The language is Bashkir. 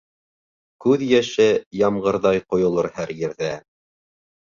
Күҙ йәше ямғырҙай ҡойолор һәр ерҙә.